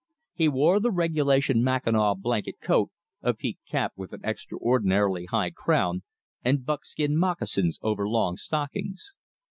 He wore the regulation mackinaw blanket coat, a peaked cap with an extraordinarily high crown, and buckskin moccasins over long stockings.